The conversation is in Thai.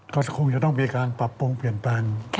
ก็คงจะต้องมีการปรับปรุงเปลี่ยนแปลง